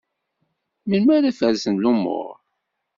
Melmi ara ferzen lumur?